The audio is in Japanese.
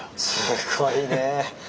すごいねえ。